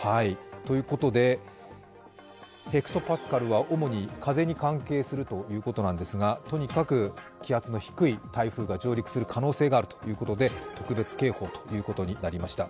ということでｈＰａは主に風に関係するということなんですが、とにかく気圧の低い台風が上陸する可能性があるということで特別警報ということになりました。